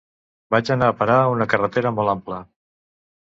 Vaig anar a parar a una carretera molt ampla.